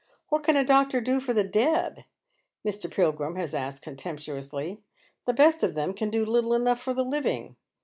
What can a doctor do for the dead ? Mr. Pilgrim has asked contemptuously. The best of them can do little enough for the living.